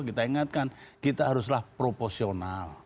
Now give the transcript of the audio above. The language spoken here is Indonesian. kita ingatkan kita haruslah proporsional